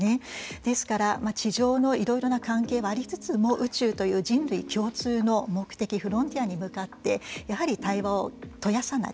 ですから、地上のいろいろな関係はありつつも宇宙という人類共通の目的、フロンティアに向かってやはり対話を絶やさない。